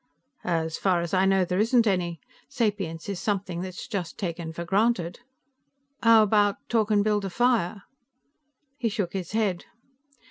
"As far as I know, there isn't any. Sapience is something that's just taken for granted." "How about talk and build a fire?" He shook his head.